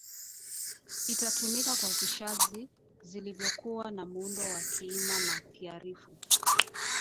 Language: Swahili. itatumika kwa vishazi zilivyokuwa na muundo wa kiima na kiarifu